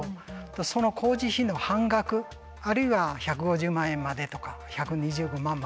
その工事費の半額あるいは１５０万円までとか１２５万までとか